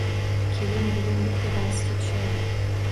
Keling bugun bitta valsga tushaylik